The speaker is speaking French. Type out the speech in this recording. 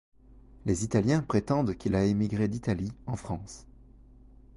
Les Italiens prétendent qu'il a émigré d'Italie en France.